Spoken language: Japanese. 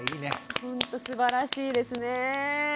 ほんとすばらしいですね。